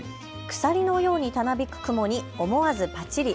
鎖のようにたなびく雲に思わずパチリ。